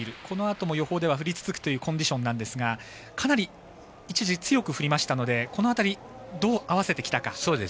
このあとも予報では降り続くというコンディションなんですがかなり一時、強く降りましたのでこの辺り、どう合わせてきたか。